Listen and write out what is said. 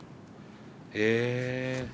へえ。